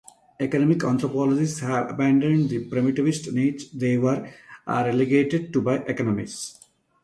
Economic anthropologists have abandoned the primitivist niche they were relegated to by economists.